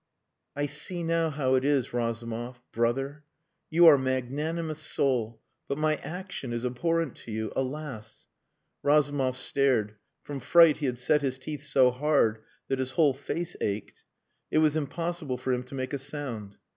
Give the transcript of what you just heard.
"I see now how it is, Razumov brother. You are a magnanimous soul, but my action is abhorrent to you alas...." Razumov stared. From fright he had set his teeth so hard that his whole face ached. It was impossible for him to make a sound.